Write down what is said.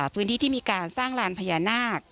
พื้นที่ที่มีการสร้างลานพญานาค